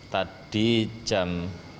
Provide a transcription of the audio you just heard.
tadi jam enam lima belas